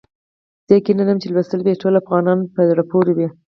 زه یقین لرم چې لوستل به یې ټولو افغانانو ته په زړه پوري وي.